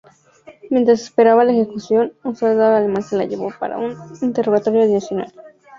Mientras esperaba la ejecución, un soldado alemán se la llevó para un "interrogatorio adicional".